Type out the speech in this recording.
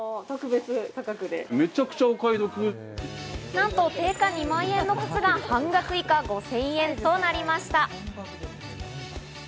なんと定価２万円の靴が、半額以下、５０００円となりました。